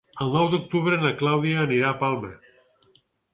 El nou d'octubre na Clàudia anirà a Palma.